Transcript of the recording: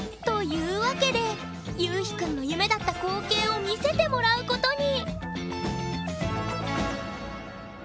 というわけでゆうひくんの夢だった光景を見せてもらうことに。